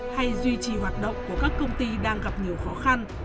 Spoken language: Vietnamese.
hay duy trì hoạt động của các công ty đang gặp nhiều khó khăn